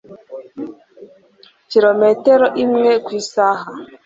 kirometero imwe ku isaha